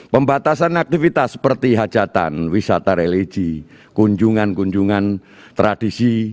pembatasan aktivitas seperti hajatan wisata religi kunjungan kunjungan tradisi